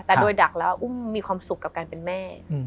แต่โดยดักแล้วอุ้มมีความสุขกับการเป็นแม่